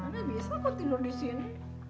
nenek biasa kok tidur di sini